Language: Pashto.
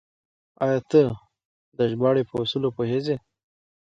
آيا ته د ژباړې په اصولو پوهېږې؟